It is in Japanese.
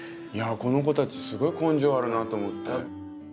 この子たちすごい根性あるなと思って。